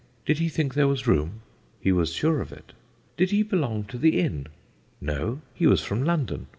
'Did he think there was room?' He was sure of it. 'Did he belong to the inn?' 'No,' he was from London.